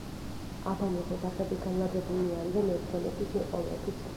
აბანოს ოთახები განლაგებულნი არიან ერთმანეთის მიყოლებით.